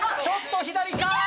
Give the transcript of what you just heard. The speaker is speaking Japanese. ちょっと左か？